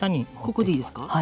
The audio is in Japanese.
ここでいいですか。